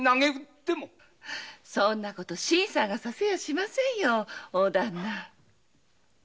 そんな事新さんがさせやしませんよ。